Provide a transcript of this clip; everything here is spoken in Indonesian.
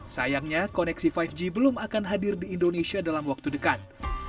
sayangnya koneksi lima g belum akan hadir di indonesia dalam waktu dekat